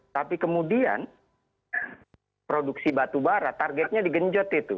tapi kemudian produksi batu bara targetnya digenjot itu